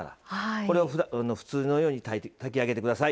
これを普通のように炊き上げてください。